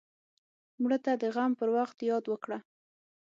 مړه ته د غم پر وخت یاد وکړه